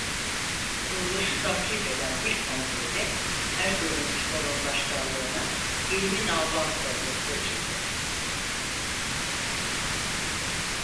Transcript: Kuruluşu takip eden ilk kongrede Erzurumspor'un başkanlığına Hilmi Nalbantoğlu seçildi.